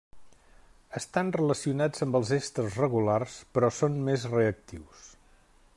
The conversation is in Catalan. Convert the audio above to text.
Estan relacionats amb els èsters regulars, però són més reactius.